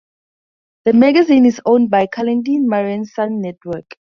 The magazine is owned by Kalanidhi Maran's Sun Network.